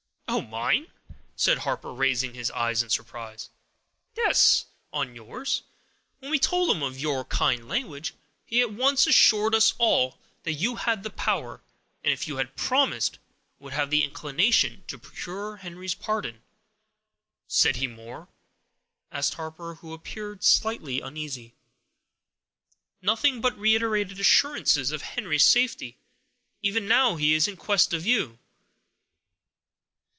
"On mine," said Harper, raising his eyes in surprise. "Yes, on yours. When we told him of your kind language, he at once assured us all that you had the power, and, if you had promised, would have the inclination, to procure Henry's pardon." "Said he more?" asked Harper, who appeared slightly uneasy. "Nothing but reiterated assurances of Henry's safety; even now he is in quest of you."